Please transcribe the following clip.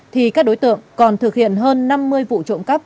thì các đối tượng còn thực hiện hơn năm mươi vụ trộm cắp